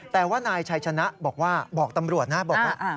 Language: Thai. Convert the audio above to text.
แต่ว่านายชัยชนะบอกว่าบอกตำรวจนะบอกว่า